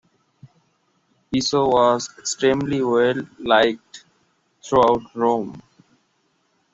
Piso was extremely well liked throughout Rome.